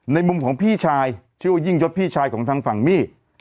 มุมของพี่ชายชื่อว่ายิ่งยศพี่ชายของทางฝั่งมี่